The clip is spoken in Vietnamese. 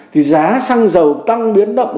thì giá xăng dầu tăng biến động